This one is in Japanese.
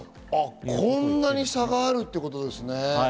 こんなに差があるってことですね。